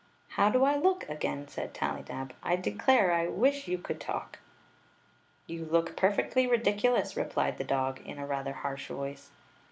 "How do I look?" again said Tallydab. "I de clare, I wish you could talk !" "You look perfecdy ridiculous," replied the dog, in a rather harsh voice.